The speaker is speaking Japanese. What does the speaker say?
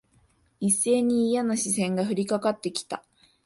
一斉にいやな視線が降りかかって来た。